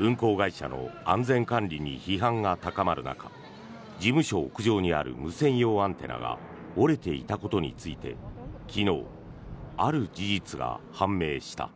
運航会社の安全管理に批判が高まる中事務所屋上にある無線用アンテナが折れていたことについて昨日、ある事実が判明した。